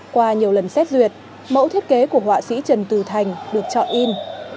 qua nhiều lần xét duyệt mẫu thiết kế của họa sĩ trần từ thành được chọn in